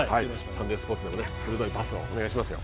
サンデースポーツでも鋭いパスをお願いしますよ。